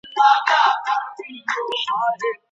استدلال کول د ذهن د پیاوړتیا نښه ده.